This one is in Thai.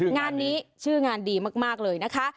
งานนี้ชื่องานดีมากเลยนะคะ